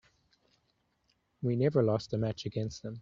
We never lost a match against them.